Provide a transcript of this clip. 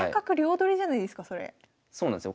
そうなんですよ。